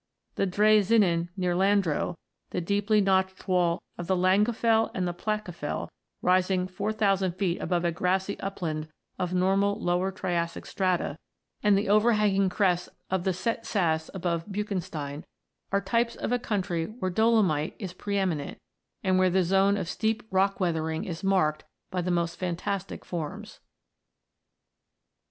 The Drei Zinnen near Landro, the deeply notched wall of the Langkofel and the Plattkofel, rising four thousand feet above a grassy upland of normal Lower Triassic strata, and the 54 ROCKS AND THEIR ORIGINS [OH. overhanging crests of the Sett Sass above Buchen stein, are types of a country where dolomite is pre eminent, and where the zone of steep rock weathering is marked by the most fantastic forms.